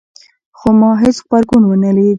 خو ما هیڅ غبرګون ونه لید